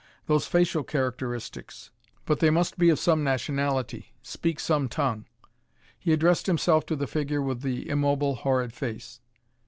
"Those facial characteristics.... But they must be of some nationality, speak some tongue." He addressed himself to the figure with the immobile, horrid face.